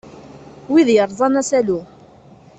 Wid yerẓan asalu.